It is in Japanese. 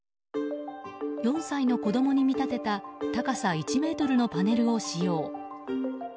４歳の子供に見立てた高さ１ｍのパネルを使用。